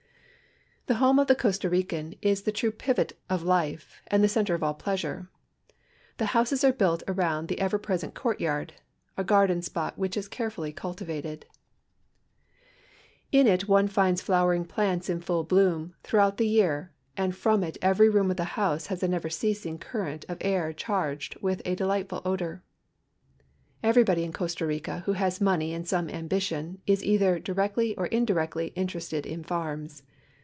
The home of the Costa Rican is the true pivot of life and the center of all pleasure. The houses are built around the ever present courtyard, a garden spot which is carefully cultivated. THE CATHEDRAL AT SAN JOSE, COSTA RICA COSTA lilVA 147 In it one finds flowering plants in full bloom througlKnit the year, and from it every room of the house has a never ceasing current of air charged with a delightful odor. JCverybody in Costa Rica who has money and some and>ition is either directly or indirectly interested in farms.